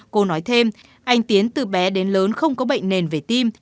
cô nói thêm anh tiến từ bé đến lớn không có bệnh nền về tim